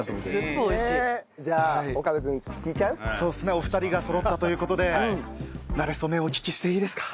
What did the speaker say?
お二人がそろったという事でなれ初めをお聞きしていいですか？